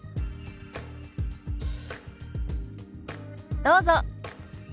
どうぞ。